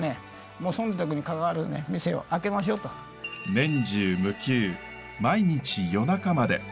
年中無休毎日夜中まで。